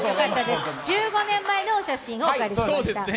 １５年前のお写真をお借りしました。